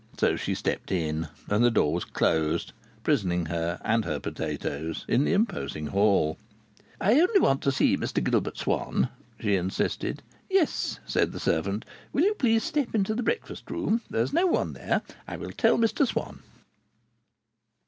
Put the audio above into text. So she stepped in, and the door was closed, prisoning her and her potatoes in the imposing hall. "I only want to see Mr Gilbert Swann," she insisted. "Yes," said the servant. "Will you please step into the breakfast room? There's no one there. I will tell Mr Swann."